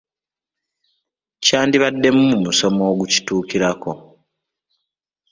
Kyandibaddemu musomo ogukituukirako.